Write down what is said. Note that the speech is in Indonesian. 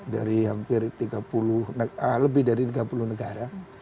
dari hampir tiga puluh lebih dari tiga puluh negara